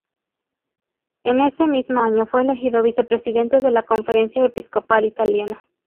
En ese mismo año fue elegido Vicepresidente de la Conferencia Episcopal Italiana.